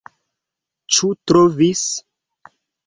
Ĉu trovis?